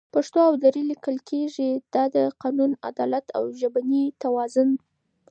پښتو او دري لیکل کېږي، دا د قانون، عدالت او ژبني توازن